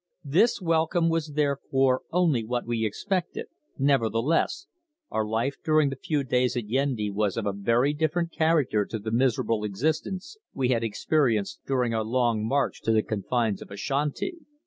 This welcome was therefore only what we expected, nevertheless, our life during the few days at Yendi was of a very different character to the miserable existence we had experienced during our long march to the confines of Ashanti.